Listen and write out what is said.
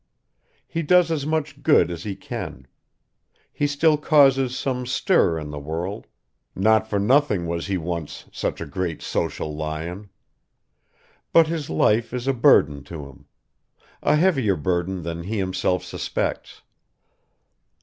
He does as much good as he can; he still causes some stir in the world, not for nothing was he once such a great social lion; but his life is a burden to him ... a heavier burden than he himself suspects.